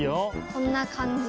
こんなかんじ。